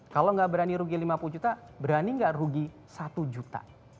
kalau nggak berani rugi lima puluh juta berani nggak rugi satu juta